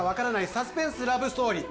サスペンスラブストーリー